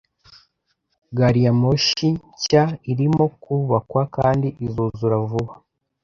Gariyamoshi nshya irimo kubakwa kandi izuzura vuba.